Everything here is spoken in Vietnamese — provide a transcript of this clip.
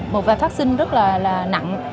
một vài phát sinh rất là nặng